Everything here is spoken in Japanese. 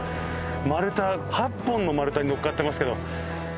丸太８本の丸太に乗っかってますけど。